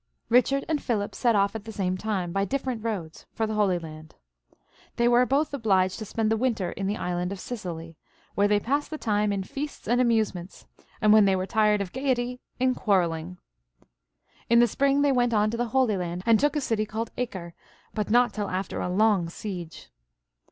Richard and Philip set off at the same time, by diflferent roads, for the Holy Land. They were both, obliged to spend '\\ XVI.] PHILIP II. {AUGUSTE), 95 the winter in the Island of Sicily, where they passed the time in feasts and amusements, and, when they were tired of gaiety, in quarrelling. In the spring they went on to the Holy Land and took a city called Acre, but not till after a long siege.